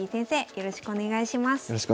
よろしくお願いします。